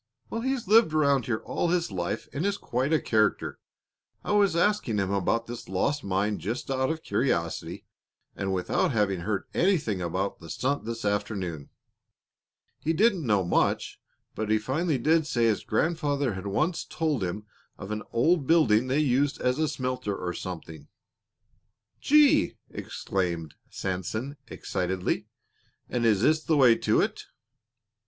Well, he's lived around here all his life and is quite a character. I was asking him about this lost mine just out of curiosity and without having heard anything about the stunt this afternoon. He didn't know much, but he finally did say his grandfather had once told him of an old building they used as a smelter, or something." "Gee!" exclaimed Sanson, excitedly. "And is this the way to it?"